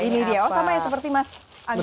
ini dia sama seperti mas angga